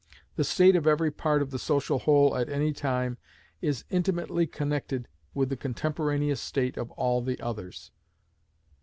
The state of every part of the social whole at any time, is intimately connected with the contemporaneous state of all the others.